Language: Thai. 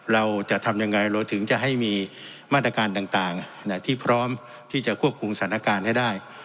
เราจะทำยังไงเราถึงจะให้มีมาตรการต่างที่พร้อมที่จะควบคุมสถานการณ์ให้ได้